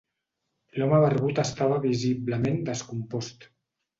L'home barbut estava visiblement descompost.